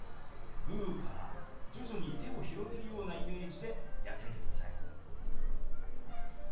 グーから徐々に手を広げるようなイメージでやってみてください。